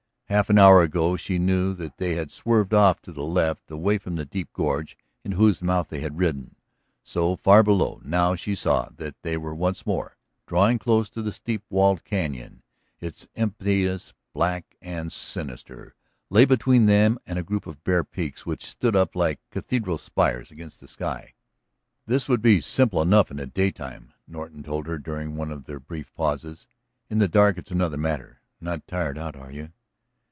Half an hour ago she knew that they had swerved off to the left, away from the deep gorge into whose mouth they had ridden so far below; now she saw that they were once more drawing close to the steep walled cañon. Its emptiness, black and sinister, lay between them and a group of bare peaks which stood up like cathedral spires against the sky. "This would be simple enough in the daytime," Norton told her during one of their brief pauses. "In the dark it's another matter. Not tired out, are you?"